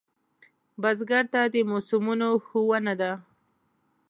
بزګر ته د موسمونو ښوونه ده